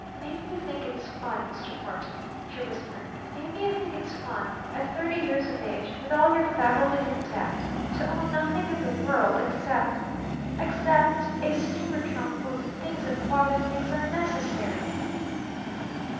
"Maybe you think it's fun, Mr. Barton," she whispered. "Maybe you think it's fun at thirty years of age with all your faculties intact to own nothing in the world except except a steamer trunkful of the things that Father thinks are necessary!"